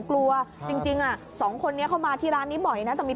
เพราะว่าเขาก็เป็นคนเหมือนกันนะคะพี่